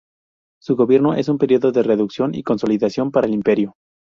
Su gobierno es un periodo de reducción y consolidación para el Imperio.